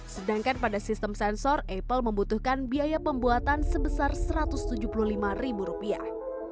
sedangkan pada sistem sensor apple membutuhkan biaya pembuatan sebesar satu ratus tujuh puluh lima ribu rupiah